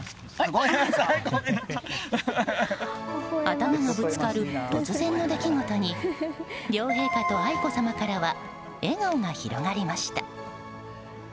頭がぶつかる突然の出来事に両陛下と愛子さまからは笑顔が広がりました。